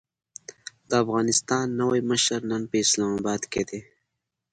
د افغانستان نوی مشر نن په اسلام اباد کې دی.